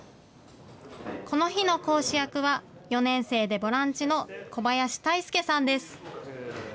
この日の講師役は４年生でボランチの小林泰輔さんです。